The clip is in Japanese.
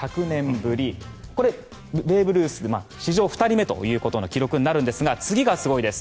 ぶりベーブ・ルース史上２人目という記録になるんですが次がすごいです。